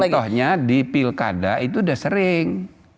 jadi contohnya di pilkada itu udah sering